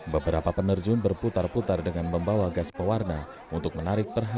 beberapa penerjun berputar putar dengan membawa gas pewarna untuk menarik perhatian